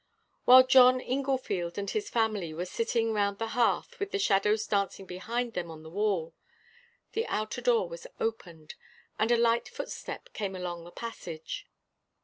While John Inglefield and his family were sitting round the hearth with the shadows dancing behind them on the wall, the outer door was opened, and a light footstep came along the passage.